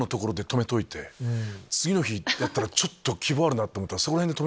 次の日やったら希望あるなと思ったら。